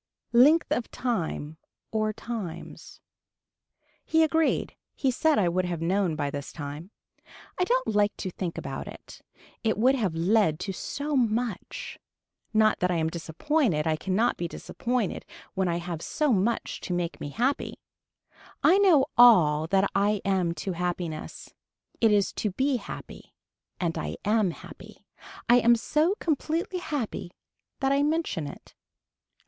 Length of time or times. He agreed. He said I would have known by this time. I don't like to think about it. It would have led to so much. Not that I am disappointed I cannot be disappointed when I have so much to make me happy. I know all that I am to happiness, it is to be happy and I am happy. I am so completely happy that I mention it.